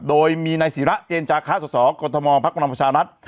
โดยมีนายศิระเจญจาค้าสสกรทมพรรคบรรคประชานัท